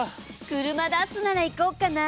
車出すなら行こうかな。